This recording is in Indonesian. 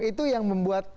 itu yang membuat